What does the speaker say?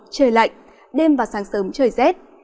trời lạnh đêm và sáng sớm trời rét